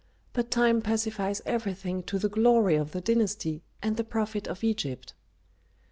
But time pacifies everything to the glory of the dynasty and the profit of Egypt."